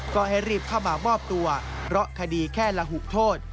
ก็ให้รีบเข้ามามอบตัวเพราะคดีแค่ละหุโทษ